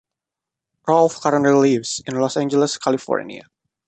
Rolfe currently lives in Los Angeles, California.